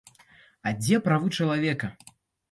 А дзе правы чалавека?